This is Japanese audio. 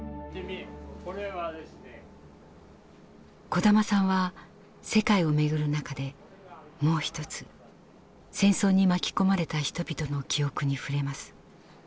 小玉さんは世界を巡る中でもう一つ戦争に巻き込まれた人々の記憶に触れます。